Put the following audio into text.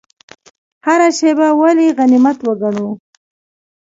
هره شیبه ولې غنیمت وګڼو؟